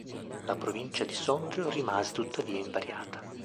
La provincia di Sondrio rimase tuttavia invariata.